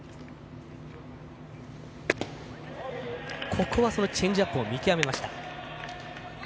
ここはチェンジアップを見極めました。